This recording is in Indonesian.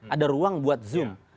ada ruang buat zoom